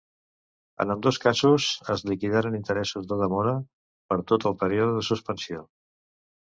En ambdós casos es liquidaran interessos de demora per tot el període de suspensió.